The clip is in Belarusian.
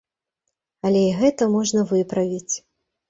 Але і гэта можна выправіць.